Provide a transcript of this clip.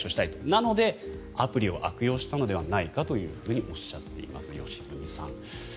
なのでアプリを悪用したのではないかというふうにおっしゃっています、良純さん。